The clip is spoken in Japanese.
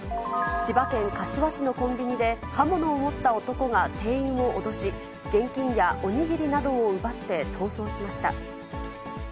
千葉県柏市のコンビニで刃物を持った男が店員を脅し、現金やお握りを奪って逃走しました。